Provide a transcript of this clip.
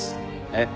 えっ？